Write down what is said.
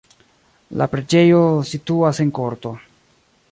La preĝejo situas en korto.